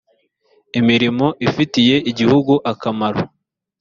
imirimo ifitiye igihugu akamaro